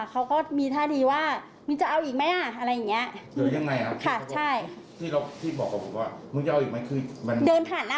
เขาก็ยังไม่มาคุยหรือว่ามั้ย